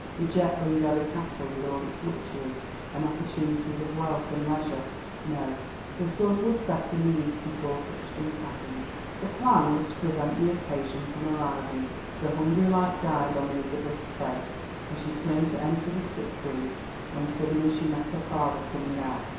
Reject Bryngelly Castle with all its luxury and opportunities of wealth and leisure? No, the sun would set in the east before such a thing happened. The plan was to prevent the occasion from arising. The hungry light died on Elizabeth's face, and she turned to enter the sick room when suddenly she met her father coming out.